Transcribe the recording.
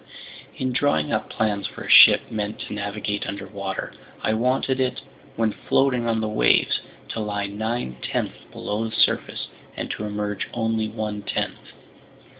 "In drawing up plans for a ship meant to navigate underwater, I wanted it, when floating on the waves, to lie nine tenths below the surface and to emerge only one tenth.